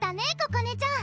ここねちゃん